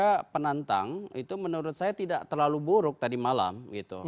karena penantang itu menurut saya tidak terlalu buruk tadi malam gitu